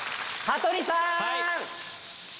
羽鳥さん